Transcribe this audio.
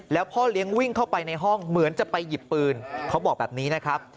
แล้วพ่อเลี้ยงวิ่งเข้าไปในห้องเหมือนจะไปหยิบปืนเขาบอกแบบนี้นะครับ